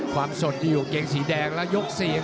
ความสดที่อยู่เกงสีแดงและยกเสียง